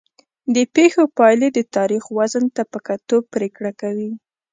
د پېښو پایلې د تاریخ وزن ته په کتو پرېکړه کوي.